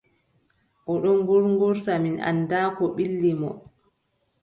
O ɗon ŋuurŋuurta, mi anndaa Ko ɓilli mo.